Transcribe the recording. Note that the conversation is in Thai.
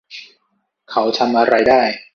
เขาทำอะไรได้